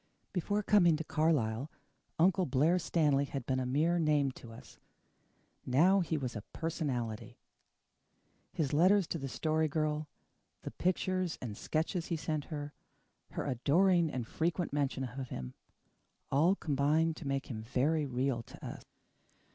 Before coming to Carlisle, Uncle Blair Stanley had been a mere name to us. Now he was a personality. His letters to the Story Girl, the pictures and sketches he sent her, her adoring and frequent mention of him, all combined to make him very real to us.